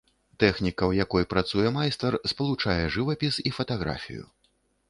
Тэхніка, ў якой працуе майстар, спалучае жывапіс і фатаграфію.